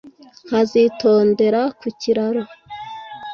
Nkazitondera ku kiraro